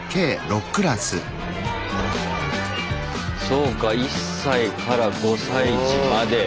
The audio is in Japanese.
そうか１歳から５歳児まで。